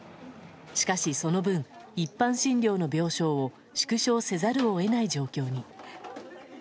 しかしその分、一般診療の病床を縮小せざるを得ない状況に。